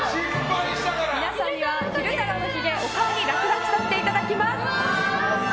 皆さんには昼太郎のひげをお顔に落書きさせていただきます。